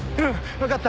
分かった。